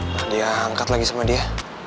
nah diangkat lagi sama dia